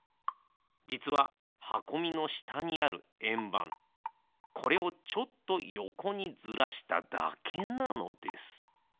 じつははこみのしたにあるえんばんこれをちょっとよこにずらしただけなのです。